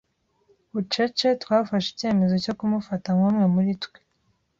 bucece twafashe icyemezo cyo kumufata nkumwe muri twe.